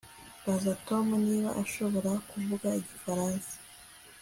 Baza Tom niba ashobora kuvuga igifaransa